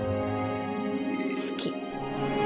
好き。